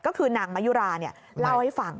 ก็คือนางมะยุราเล่าให้ฟัง